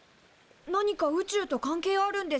何か宇宙と関係あるんですか？